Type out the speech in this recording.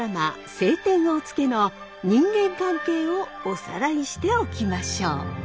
「青天を衝け」の人間関係をおさらいしておきましょう。